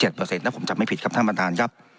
แล้วผมจำไม่ผิดครับท่านบันทาน